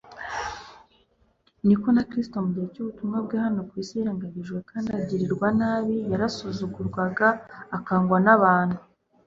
niko na Kristo mu gihe cy'ubutumwa bwe hano ku isi yirengagijwe kandi agirirwa nabi, «Yarasuzugurwaga, akangwa n'abantu.